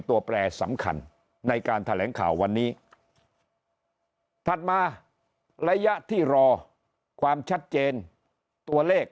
แปรสำคัญในการแถลงข่าววันนี้ถัดมาระยะที่รอความชัดเจนตัวเลข